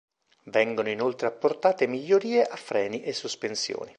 Vengono inoltre apportate migliorie a freni e sospensioni.